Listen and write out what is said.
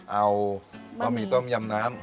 เอาบะหมี่ต้มยำน้ำ